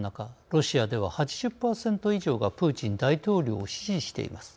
ロシアでは８０％以上がプーチン大統領を支持しています。